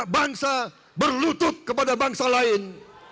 bangsa berlutut kepada bangsa lain